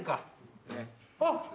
あっ。